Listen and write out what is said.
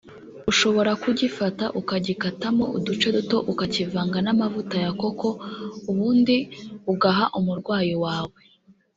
ushobora kugifata ukagikatamo uduce duto ukakivanga n’amavuta ya coco ubundi ugaha umurwayi wawe